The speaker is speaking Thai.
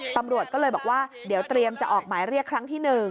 ตำรวจก็เลยบอกว่าเดี๋ยวเตรียมจะออกหมายเรียกครั้งที่๑